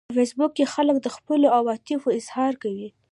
په فېسبوک کې خلک د خپلو عواطفو اظهار کوي